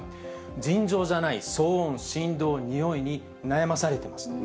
尋常じゃない、騒音、振動、臭いに悩まされてますと。